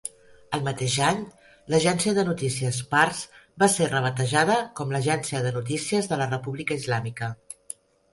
El mateix any, l'Agència de Notícies Pars va ser rebatejada com l'Agència de Notícies de la República Islàmica.